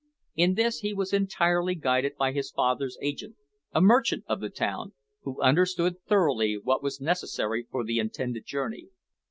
In this he was entirely guided by his father's agent, a merchant of the town, who understood thoroughly what was necessary for the intended journey.